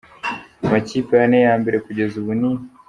Amakipe ane ya mbere kugeza ubu ni :.